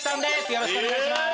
よろしくお願いします！